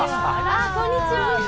あっこんにちは。